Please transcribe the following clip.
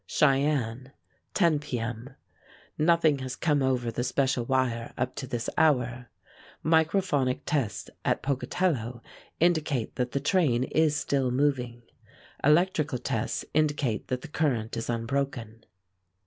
CHEYENNE, 10 P. M. Nothing has come over the special wire up to this hour. Microphonic tests at Pocatello indicate that the train is still moving. Electrical tests indicate that the current is unbroken.